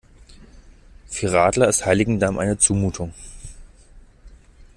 Für Radler ist Heiligendamm eine Zumutung.